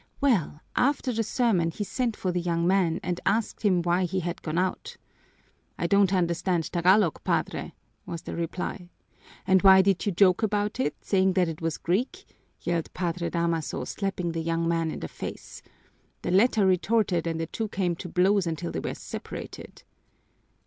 "Well, after the sermon he sent for the young man and asked him why he had gone out. 'I don't understand Tagalog, Padre,' was the reply. 'And why did you joke about it, saying that it was Greek?' yelled Padre Damaso, slapping the young man in the face. The latter retorted and the two came to blows until they were separated."